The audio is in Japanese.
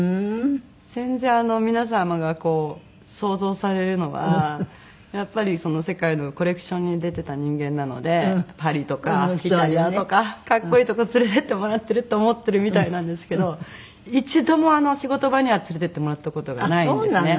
全然皆様が想像されるのはやっぱり世界のコレクションに出てた人間なのでパリとかイタリアとか格好いいとこ連れていってもらってると思ってるみたいなんですけど一度も仕事場には連れていってもらった事がないんですね。